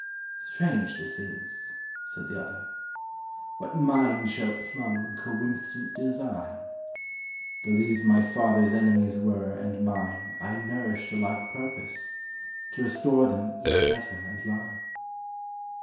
—"Strange, this is!" said the other; "What mind shall plumb "Coincident design! Though these my father's enemies were and mine, I nourished a like purpose—to restore them Each letter and line."